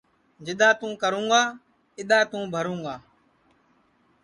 جِدؔا تُوں کرُوں گا اِدؔا تُوں بھرُوں گا